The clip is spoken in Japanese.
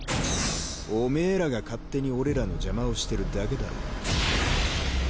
オメエらが勝手に俺らの邪魔をしてるだけだろ。